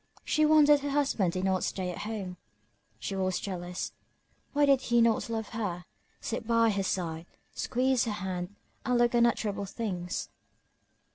She wondered her husband did not stay at home. She was jealous why did he not love her, sit by her side, squeeze her hand, and look unutterable things?